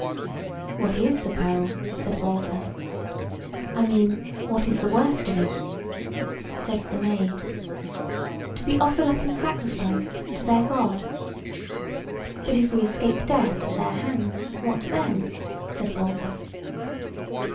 "What is the peril?" said Walter; "I mean, what is the worst of it?" Said the Maid: "To be offered up in sacrifice to their God." "But if we escape death at their hands, what then?" said Walter.